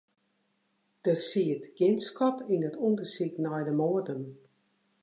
Der siet gjin skot yn it ûndersyk nei de moarden.